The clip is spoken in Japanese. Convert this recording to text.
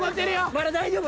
まだ大丈夫。